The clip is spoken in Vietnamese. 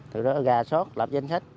từ đó gà sót lập danh sách